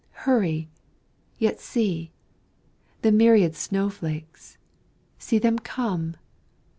Hurry! Yet see! the myriad snow flakes see them come!